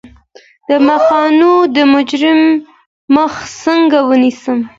د ملخانو د هجوم مخه څنګه ونیسم؟